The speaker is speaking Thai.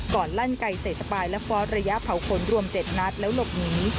ก่อนลั่นไก่ใส่สบายและฟอสระยะเผาคนรวมเจ็ดนัดแล้วหลบหนี